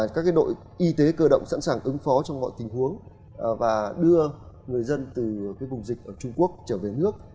các đội y tế cơ động sẵn sàng ứng phó trong mọi tình huống và đưa người dân từ vùng dịch ở trung quốc trở về nước